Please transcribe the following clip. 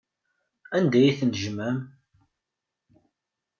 Anda ay ten-tjemɛem?